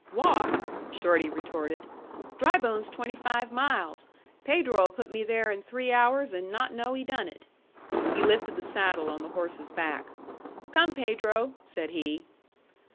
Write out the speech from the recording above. "Walk?" Shorty retorted. "Drybone's twenty five miles. Pedro'll put me there in three hours and not know he done it." He lifted the saddle on the horse's back. "Come, Pedro," said he.